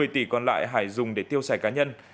một mươi tỷ còn lại hải dùng để tiêu xài cá nhân